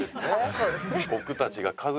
そうですね。